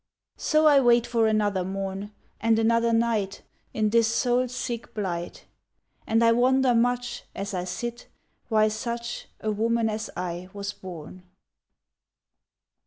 So I wait for another morn And another night In this soul sick blight; And I wonder much As I sit, why such A woman as I was born!